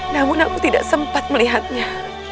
namun aku tidak sempat melihatnya